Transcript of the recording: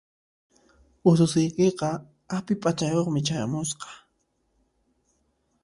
Ususiykiqa api p'achayuqmi chayamusqa.